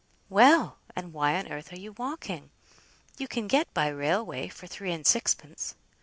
"Well! and why on earth are you walking? You can get by railway for three and sixpence."